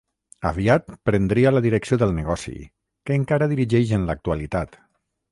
Aviat prendria la direcció del negoci, que encara dirigeix en l'actualitat.